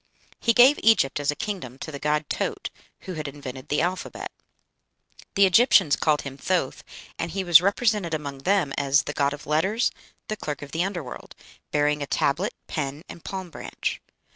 He gave Egypt as a kingdom to the god Taaut, who had invented the alphabet. The Egyptians called him Thoth, and he was represented among them as "the god of letters, the clerk of the under world," bearing a tablet, pen, and palm branch.